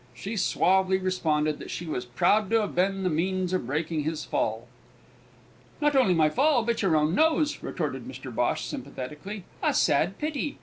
She suavely responded that she was proud to have been the means of breaking his fall. "Not only my fall but your own nose!" retorted Mr. Bhosh sympathetically. "A sad pity!